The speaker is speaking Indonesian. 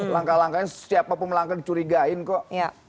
langkah langkahnya siapapun melangkah dicurigain kok